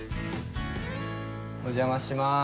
お邪魔します。